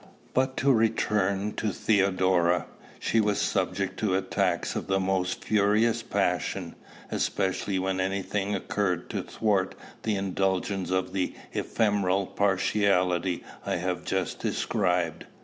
But to return to Theodora. She was subject to attacks of the most furious passion, especially when any thing occurred to thwart the indulgence of the ephemeral partiality I have just described.